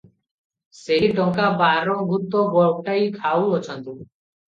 ସେହି ଟଙ୍କା ବାର ଭୂତ ଗୋଟାଇ ଖାଉଅଛନ୍ତି ।